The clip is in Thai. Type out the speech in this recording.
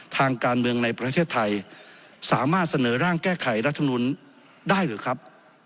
ทางการเมืองในประเทศไทยสามารถเสนอร่างแก้ไขรัฐมนุนได้หรือครับ